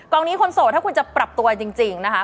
นี้คนโสดถ้าคุณจะปรับตัวจริงนะคะ